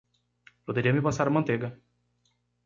Poderia me passar a manteiga.